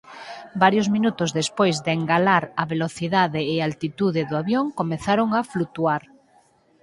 Varios minutos despois de engalar a velocidade e altitude do avión comenzaron a flutuar.